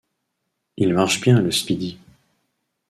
Il marche bien, le Speedy